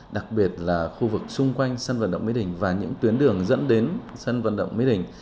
đặc biệt là khu vực xung quanh sân vận động mỹ đình và những tuyến đường dẫn đến sân vận động mỹ đình